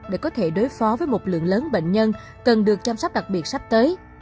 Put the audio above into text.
để có thể đối phó với một lượng lớn bệnh nhân cần được chăm sóc đặc biệt sắp tới